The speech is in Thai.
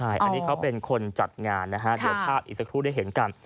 อันนี้เขาเป็นคนจัดงานนะฮะเดี๋ยวภาพอีกสักครู่ได้เห็นกัน